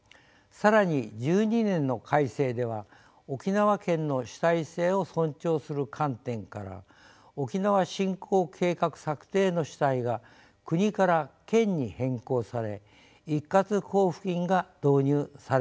更に１２年の改正では沖縄県の主体性を尊重する観点から沖縄振興計画策定の主体が国から県に変更され一括交付金が導入されました。